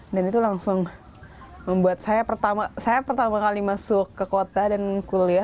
dan itu langsung membuat saya pertama kali masuk ke kota dan kuliah